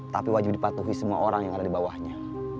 tapi wajib dipatuhi semua orang yang ada di bawahnya